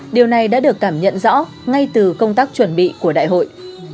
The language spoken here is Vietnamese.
điều này đã được cảm nhận rõ ngay từ công tác chuẩn bị của đại hội